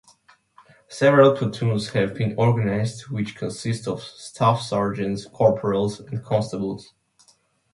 Several platoons have been organized which consist of Staff Sergeants, Corporals and Constables.